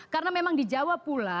karena memang di jawa pula